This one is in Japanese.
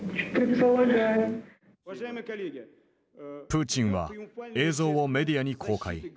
プーチンは映像をメディアに公開。